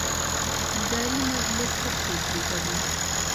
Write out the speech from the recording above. اداري مجلس څه پریکړې کوي؟